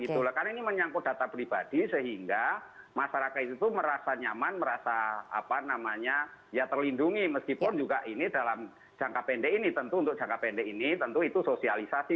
karena ini menyangkut data pribadi sehingga masyarakat itu merasa nyaman merasa apa namanya ya terlindungi meskipun juga ini dalam jangka pendek ini tentu untuk jangka pendek ini tentu itu sosialisasi